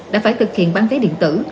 đã phải thực hiện bán vé điện tử